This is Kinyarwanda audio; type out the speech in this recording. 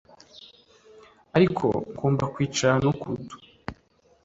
ariko - ngomba kwicara no kud